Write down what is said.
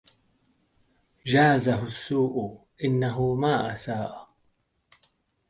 جازَهُ السوءُ إنه ما أساءَ